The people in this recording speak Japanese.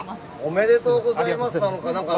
おめでとうございます。